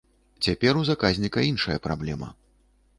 Цяпер у заказніка іншая праблема.